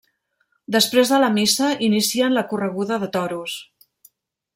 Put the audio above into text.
Després de la missa, inicien la Correguda de toros.